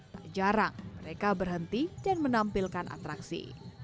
tak jarang mereka berhenti dan menampilkan atraksi